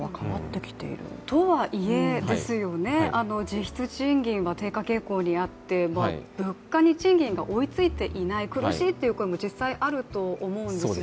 とはいえですよね、実質賃金は低下傾向にあって、物価に賃金が追いついていない、苦しいという声があると思うんですよ。